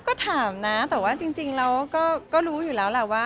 อ๋อก็ถามนะแต่ว่าจริงเราก็รู้อยู่แล้ว